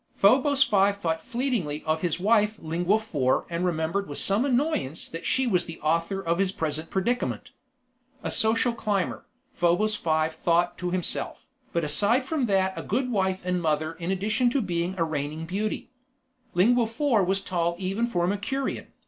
Probos Five thought fleetingly of his wife Lingua Four and remembered with some annoyance that she was the author of his present predicament. A social climber, Probos Five thought to himself, but aside from that a good wife and mother in addition to being a reigning beauty. Lingua Four was tall even for a Mercurian.